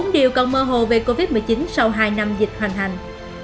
bốn điều còn mơ hồ về covid một mươi chín sau hai năm dịch hoành hành